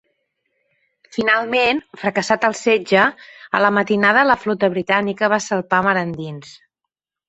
Finalment, fracassat el setge, a la matinada la flota britànica va salpar mar endins.